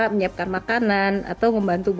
menyiapkan makanan atau membantu